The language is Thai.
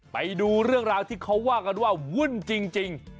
ไปดูเรื่องราวที่เขาว่ากันว่าวุ่นจริง